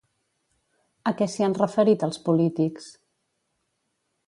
A què s'hi han referit els polítics?